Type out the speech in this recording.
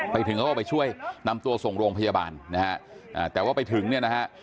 ไปถึงเขาก็ไปช่วยนำตัวส่งโรงพยาบาลนะฮะแต่ว่าไปถึงเนี่ยนะฮะ